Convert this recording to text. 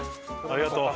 ありがとう。